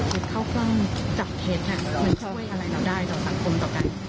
คือเข้าเครื่องจับเท็จมันช่วยอะไรเราได้ต่อสังคมต่อกัน